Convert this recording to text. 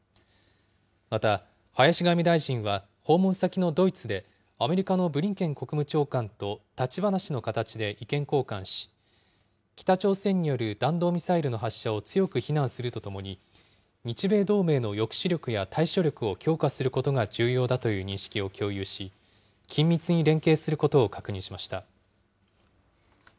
また、林外務大臣は訪問先のドイツで、アメリカのブリンケン国務長官と立ち話の形で意見交換し、北朝鮮による弾道ミサイルの発射を強く非難するとともに、日米同盟の抑止力や対処力を強化することが重要だという認識を共有し、緊密に連携することを確認しました。